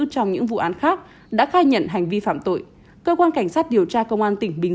trong những vụ án khác đã khai nhận hành vi phạm tội cơ quan cảnh sát điều tra công an tỉnh bình